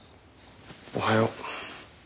おはよう。